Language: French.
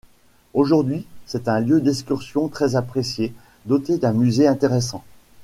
Aujourd'hui, c’est un lieu d'excursion très apprécié, doté d'un musée intéressant.